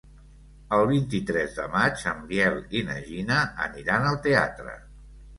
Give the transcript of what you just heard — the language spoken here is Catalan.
El vint-i-tres de maig en Biel i na Gina aniran al teatre.